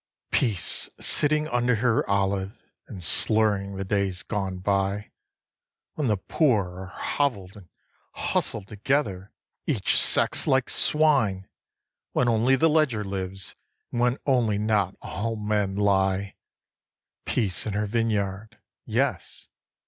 9. Peace sitting under her olive, and slurring the days gone by, When the poor are hovell'd and hustled together, each sex, like swine, When only the ledger lives, and when only not all men lie; Peace in her vineyard yes!